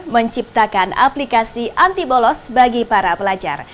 menciptakan aplikasi anti bolos bagi para pelajar